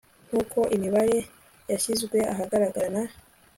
Nkuko imibare yyashyizwe ahagaragara na